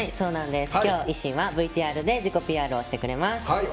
今日、惟真はＶＴＲで自己ＰＲをしてくれます。